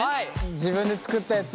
自分で作ったやつ。